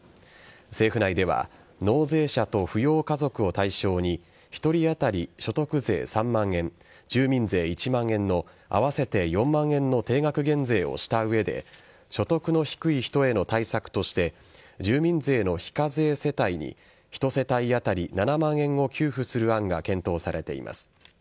政府内では納税者と扶養家族を対象に１人当たり所得税３万円住民税１万円の合わせて４万円の定額減税をした上で所得の低い人への対策として住民税の非課税世帯に１世帯当たり７万円を給付する案が検討されています。